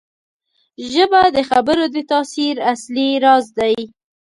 ژبه د خبرو د تاثیر اصلي راز دی